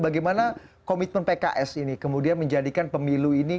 bagaimana komitmen pks ini kemudian menjadikan pemilu ini